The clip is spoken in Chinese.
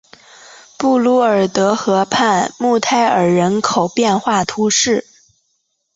布卢尔德河畔穆泰尔人口变化图示